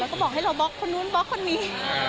แล้วก็บอกให้เราบล็อกคนนู้นบล็อกคนนี้